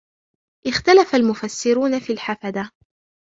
اخْتَلَفَ الْمُفَسِّرُونَ فِي الْحَفَدَةِ